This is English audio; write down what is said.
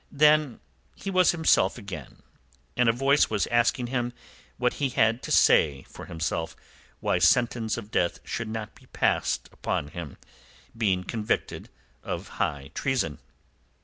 Then he was himself again, and a voice was asking him what he had to say for himself, why sentence of death should not be passed upon him, being convicted of high treason.